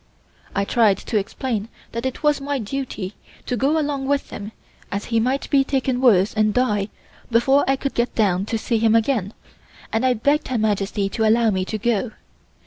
I tried to explain that it was my duty to go along with him as he might be taken worse and die before I could get down to see him again, and I begged Her Majesty to allow me to go.